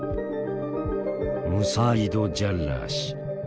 ムサーイド・ジャッラー氏。